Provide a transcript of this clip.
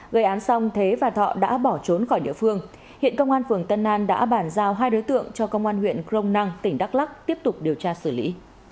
gây án xong thế và thọ đã bỏ trốn khỏi địa phương hiện công an phường tân an đã bàn giao hai đối tượng cho công an huyện crong năng tỉnh đắk lắc tiếp tục điều tra xử lý